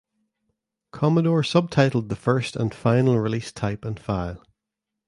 Commodore subtitled the first and final release Type and File.